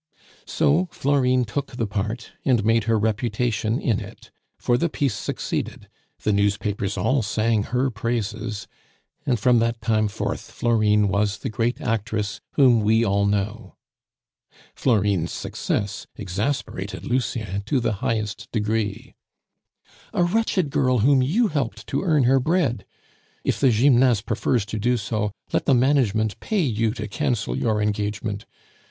So Florine took the part, and made her reputation in it; for the piece succeeded, the newspapers all sang her praises, and from that time forth Florine was the great actress whom we all know. Florine's success exasperated Lucien to the highest degree. "A wretched girl, whom you helped to earn her bread! If the Gymnase prefers to do so, let the management pay you to cancel your engagement.